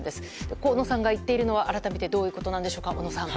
河野さんが言っているのは改めてどういうことなんでしょうか。